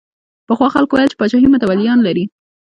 پخوا خلکو ویل چې پاچاهي متولیان لري.